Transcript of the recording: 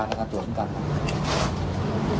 เพิ่มเติมเติมที่ได้ส้มของนักการตัวต่อแล้ว